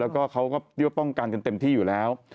แล้วก็เขาก็เรียกว่าป้องกันกันเต็มที่อยู่แล้ว